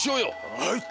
はい。